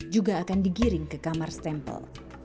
juga akan digiring ke kamar stempel